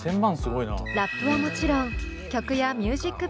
ラップはもちろん曲やミュージックビデオ